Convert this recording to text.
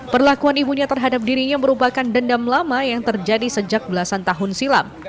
perlakuan ibunya terhadap dirinya merupakan dendam lama yang terjadi sejak belasan tahun silam